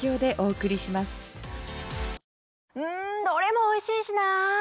どれもおいしいしなぁ。